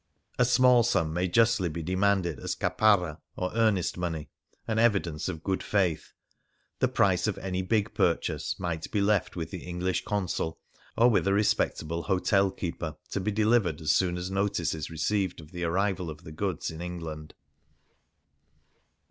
A small sum may justly be demanded as caparra, or earnest money — an evidence of good faith ; the price of any big purchase might be left with the English Consul or with a respectable hotel keeper, to be de livered as soon as notice is received of the arrival of the goods in England.